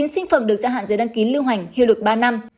chín sinh phẩm được gia hạn giấy đăng ký lưu hành hiệu lực ba năm